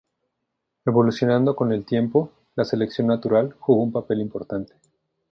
Evolucionando con el tiempo, la selección natural jugó un papel importante.